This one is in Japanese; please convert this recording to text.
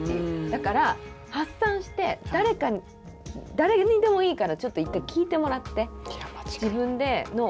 だから発散して誰にでもいいからちょっと一回聞いてもらって自分の思いを発信して伝える。